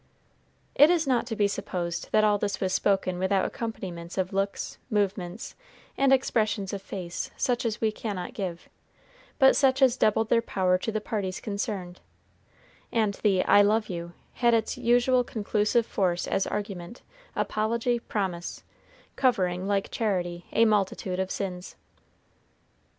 It is not to be supposed that all this was spoken without accompaniments of looks, movements, and expressions of face such as we cannot give, but such as doubled their power to the parties concerned; and the "I love you" had its usual conclusive force as argument, apology, promise, covering, like charity, a multitude of sins.